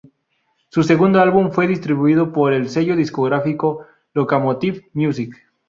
Su segundo álbum fue distribuido por el sello discográfico Locomotive Music.